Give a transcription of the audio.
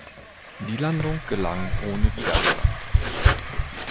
Die Landung gelang ohne Widerstand.